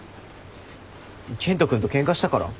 健人君とケンカしたから？